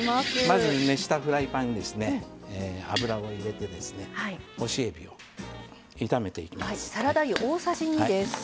まず熱したフライパンに油を入れて干しえびを炒めていきます。